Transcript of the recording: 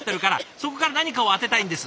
そこから何かを当てたいんです。